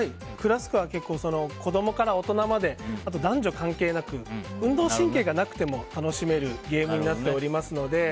ＫＬＡＳＫは子供から大人まで男女関係なく運動神経がなくても楽しめるゲームになっておりますので。